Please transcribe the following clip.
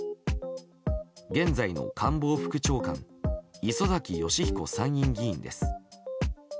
現在の官房副長官磯崎仁彦参院議員です。